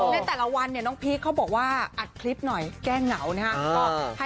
ในแต่ละวันเนี่ยน้องพีคเขาบอกว่าอัดคลิปหน่อยแก้เหงานะครับ